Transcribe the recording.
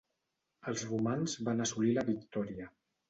Els romans van assolir la victòria.